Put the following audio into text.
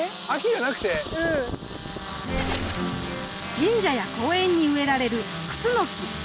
神社や公園に植えられるクスノキ。